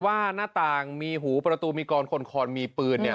หน้าต่างมีหูประตูมีกรคนคอนมีปืนเนี่ย